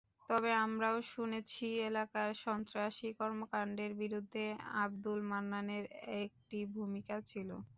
তবে আমরাও শুনেছি, এলাকার সন্ত্রাসী কর্মকাণ্ডের বিরুদ্ধে আবদুল মান্নানের একটি ভূমিকা ছিল।